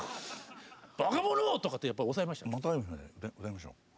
「ばか者！」とかってやっぱ抑えました。